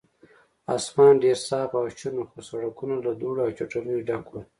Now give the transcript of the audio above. اسمان ډېر صاف او شین و، خو سړکونه له دوړو او چټلیو ډک ول.